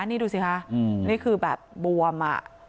นี่ดูสิคะนี่คือแบบบวม